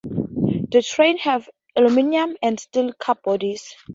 The trains have aluminium and steel car bodies.